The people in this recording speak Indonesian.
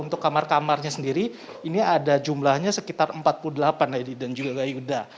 untuk kamar kamarnya sendiri ini ada jumlahnya sekitar empat puluh delapan lady dan juga yuda